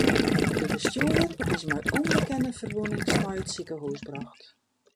De bestjoerder is mei ûnbekende ferwûnings nei it sikehûs brocht.